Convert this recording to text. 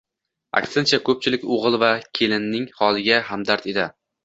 Aksincha koʻpchilik oʻgʻil va kelinning holiga hamdard edi.